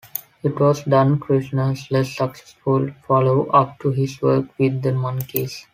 It was Don Kirshner's less successful follow up to his work with The Monkees.